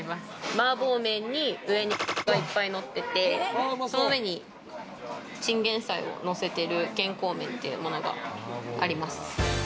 麻婆麺に上にがいっぱいのってて、その上にチンゲンサイをのせてる健康麺っていうものがあります。